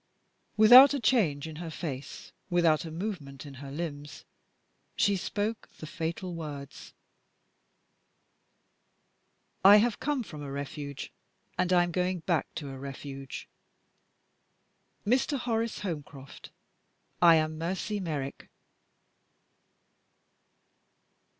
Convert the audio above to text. Without a change in her face, without a movement in her limbs, she spoke the fatal words: "I have come from a Refuge, and I am going back to a Refuge. Mr. Horace Holmcroft, I am Mercy Merrick."